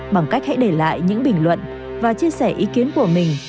bằng cách hãy để lại những bình luận và chia sẻ ý kiến của mình